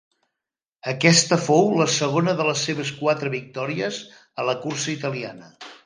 Aquesta fou la segona de les seves quatre victòries a la cursa italiana.